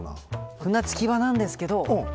ふなつきばなんですけど